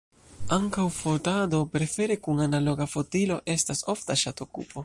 Ankaŭ fotado, prefere kun analoga fotilo, estas ofta ŝatokupo.